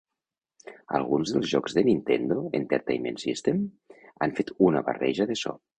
Alguns dels jocs de Nintendo Entertainment System han fet una barreja de so.